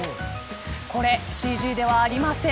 これ、ＣＧではありません。